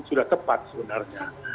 sudah tepat sebenarnya